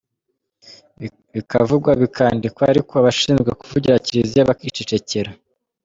Bikavugwa bikandikwa ariko abashinzwe kuvugira Kiliziya bakicecekera.